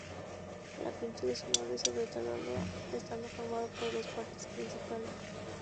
La pintura es un óleo sobre tabla estando formado por dos partes principales.